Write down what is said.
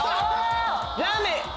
ラーメン！